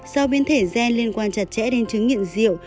do biến thể gen liên quan chặt chẽ đến chứng nhận rượu